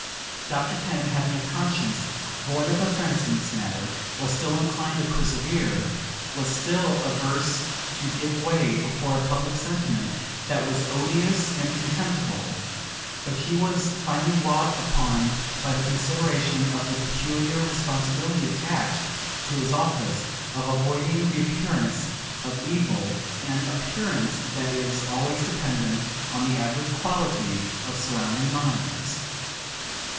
Dr Kenn, having a conscience void of offence in the matter, was still inclined to persevere,—was still averse to give way before a public sentiment that was odious and contemptible; but he was finally wrought upon by the consideration of the peculiar responsibility attached to his office, of avoiding the appearance of evil,—an "appearance" that is always dependent on the average quality of surrounding minds.